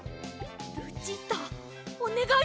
ルチータおねがいします！